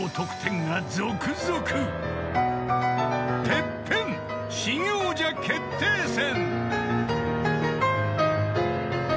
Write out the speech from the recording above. ［『ＴＥＰＰＥＮ』新王者決定戦］